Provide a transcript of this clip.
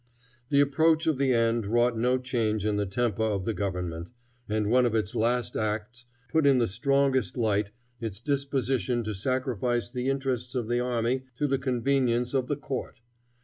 The approach of the end wrought no change in the temper of the government, and one of its last acts puts in the strongest light its disposition to sacrifice the interests of the army to the convenience of the court.